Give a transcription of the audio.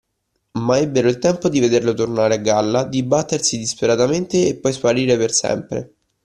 Ma ebbero il tempo di vederlo tornare a galla, dibattersi disperatamente e poi sparire per sempre.